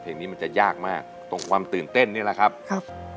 เพลงนี้มันจะยากมากตรงความตื่นเต้นนี่แหละครับ